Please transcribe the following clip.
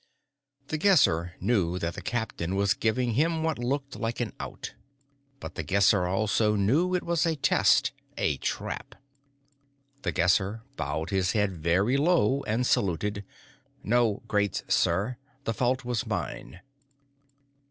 The Guesser knew that the captain was giving him what looked like an out but The Guesser also knew it was a test, a trap. The Guesser bowed his head very low and saluted. "No, great sir; the fault was mine."